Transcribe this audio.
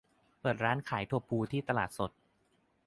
เขาเปิดร้านขายถั่วพูที่ตลาดสด